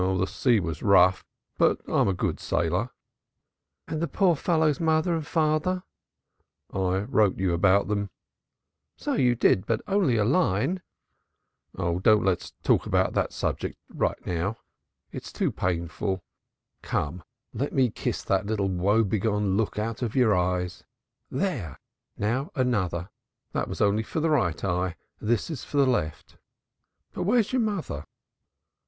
"The sea was rough, but I'm a good sailor." "And the poor fellow's father and mother?" "I wrote you about them." "So you did; but only just a line." "Oh, don't let us talk about the subject just now, dear, it's too painful. Come, let me kiss that little woe begone look out of your eyes. There! Now, another that was only for the right eye, this is for the left. But where's your mother?"